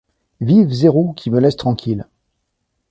Vive Zéro qui me laisse tranquille!